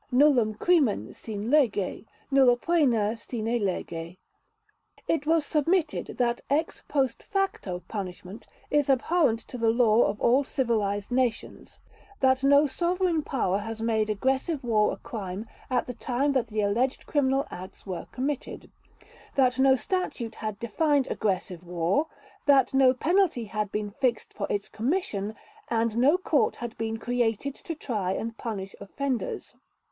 "Nullum crimen sine lege, nulla poena sine lege." It was submitted that ex post facto punishment is abhorrent to the law of all civilized nations, that no sovereign power had made aggressive war a crime at the time that the alleged criminal acts were committed, that no statute had defined aggressive war, that no penalty had been fixed for its commission, and no court had been created to try and punish offenders.